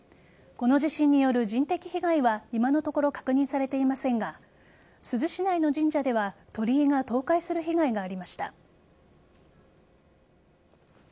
この地震による人的被害は今のところ確認されていませんが珠洲市内の神社では鳥居が倒壊する被害がありました。